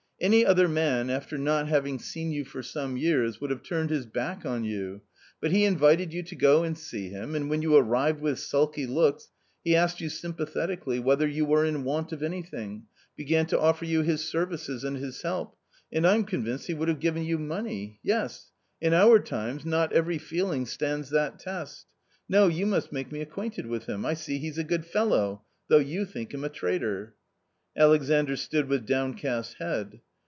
Any other man after not having seen you for some years, would have turned his back on you, but he invited you to go and see him, and when you arrived with sulky looks, he asked you sympathetically, whether you were in want of anything, began to offer you his services and his help, and I'm convinced he would have given you money— yes ! in our times not every feeling stands that test ; no, you must make me acquainted with him ; I see he's a good fellow .... though you think him a traitor." Alexandr stood with downcast head.